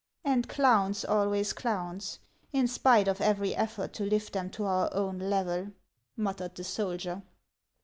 " And clowns always clowns, in spite of every effort to lift them to our own level," muttered the soldier.